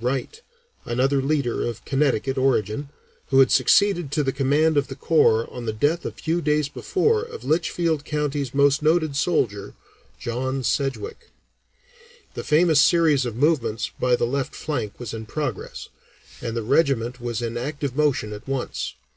Wright, another leader of Connecticut origin, who had succeeded to the command of the Corps on the death a few days before of Litchfield County's most noted soldier, John Sedgwick. [Illustration: General Sedgwick] The famous series of movements "by the left flank" was in progress, and the regiment was in active motion at once.